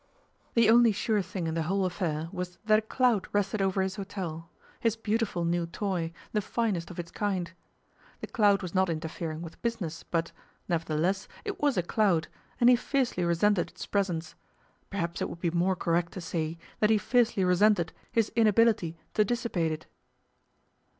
The only sure thing in the whole affair was that a cloud rested over his hotel, his beautiful new toy, the finest of its kind. The cloud was not interfering with business, but, nevertheless, it was a cloud, and he fiercely resented its presence; perhaps it would be more correct to say that he fiercely resented his inability to dissipate it.